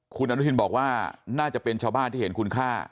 คุณอนุทินบอกว่าน่าจะเป็นชาวบ้านที่เห็นคุณค่า